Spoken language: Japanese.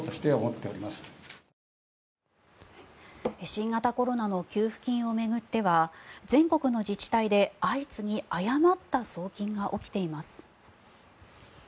新型コロナの給付金を巡っては全国の自治体で相次ぎ誤った送金が起きています。